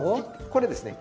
これですね